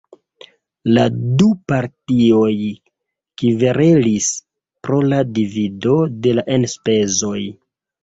La du partioj kverelis pro la divido de la enspezoj.